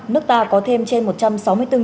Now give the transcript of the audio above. nước ta có thêm một năm triệu người dân việt nam